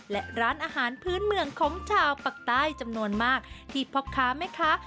และร้านอาหารพื้นเมืองของชาวปากใต้จำนวนมากที่พ่อค้าแม่ค้า